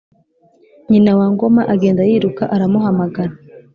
Nyina wa Ngoma agenda yiruka aramuhamagara,